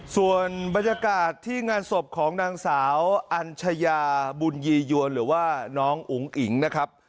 ส่วนบรรยากาศที่งานศพของนางสาวอัญชยาบุญยียวนหรือว่าน้องอุ๋งอิ๋งนะครับ